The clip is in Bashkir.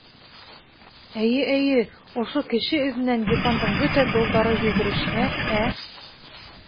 Эйе, эйе, ошо кеше әҙенән Декандың бөтә долдары йүгерешһә, ә?